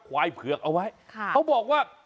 ควายเผือกเอาไว้เขาบอกว่า